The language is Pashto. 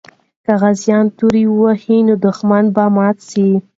که غازیان تورو وهي، نو دښمن به مات سي.